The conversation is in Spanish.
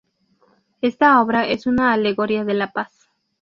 Esta obra es una alegoría de la Paz.